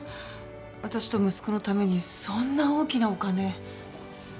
私と息子のためにそんな大きなお金。